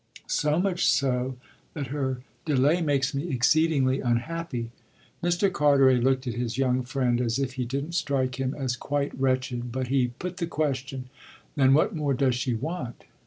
"So much so that her delay makes me exceedingly unhappy." Mr. Carteret looked at his young friend as if he didn't strike him as quite wretched; but he put the question: "Then what more does she want?"